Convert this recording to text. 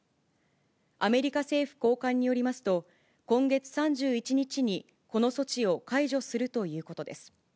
アメリカ政府高官によりますと、今月３１日にこの措置を解除するということです。